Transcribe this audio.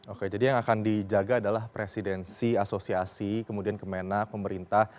oke jadi yang akan dijaga adalah presidensi asosiasi kemudian kemenak pemerintah